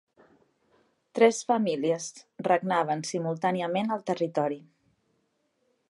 Tres famílies regnaven simultàniament al territori.